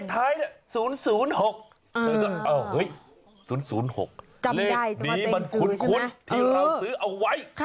จำได้จะมาเตรงซื้อใช่ไหมเออค่ะเลขนี้มันคุ้นที่เราซื้อเอาไว้